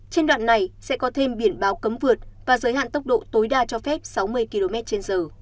trên đoạn này sẽ có thêm biển báo cấm vượt và giới hạn tốc độ tối đa cho phép sáu mươi km trên giờ